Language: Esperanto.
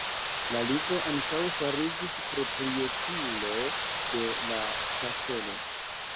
La ligo ankaŭ fariĝis proprietulo de la kastelo.